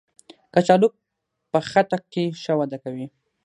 کچالو په خټه کې ښه وده کوي